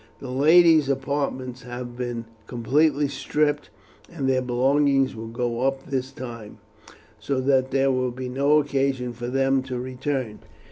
The ladies' apartments have been completely stripped, and their belongings will go up this time, so that there will be no occasion for them to return.